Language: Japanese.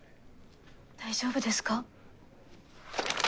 大丈夫ですか？